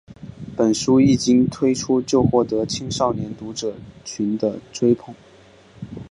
本书一经推出就获得了青少年读者群的追捧。